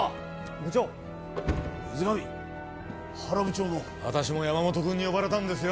部長水上原部長も私も山本君に呼ばれたんですよ